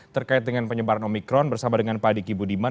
terkait dengan penyebaran omikron bersama dengan pak diki budiman